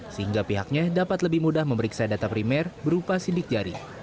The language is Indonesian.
sehingga pihaknya dapat lebih mudah memeriksa data primer berupa sidik jari